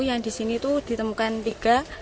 yang di sini itu ditemukan tiga